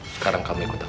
sekarang kamu ikut aku